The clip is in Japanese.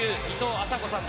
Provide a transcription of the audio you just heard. あさこさーん！